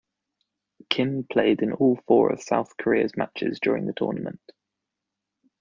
Kim played in all four of South Korea's matches during the tournament.